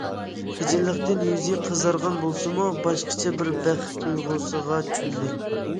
خىجىللىقتىن يۈزى قىزارغان بولسىمۇ، باشقىچە بىر بەخت تۇيغۇسىغا چۆمدى.